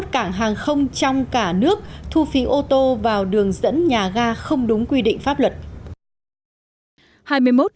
hai mươi một cảng hàng không trong cả nước thu phí ô tô vào đường dẫn nhà ga không đúng quy định pháp luật